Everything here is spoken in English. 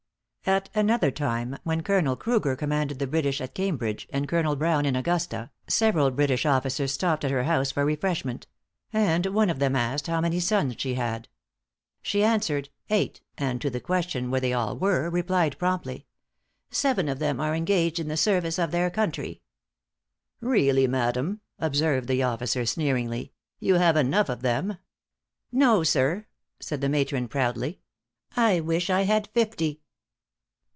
At another time, when Colonel Cruger commanded the British at Cambridge, and Colonel Browne in Augusta, several British officers stopped at her house for refreshment; and one of them asked how many sons she had. She answered eight; and to the question, where they all were, replied promptly: "Seven of them are engaged in the service of their country." "Really, madam," observed the officer, sneeringly, "you have enough of them." "No sir," said the matron, proudly, "I wish I had fifty."